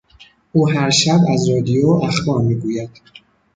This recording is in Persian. او هر شب از رادیو اخبار میگوید.